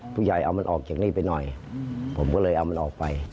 ผู้ใหญ่เอามันออกจากนี่ไปหน่อยผมก็เลยเอามันออกไป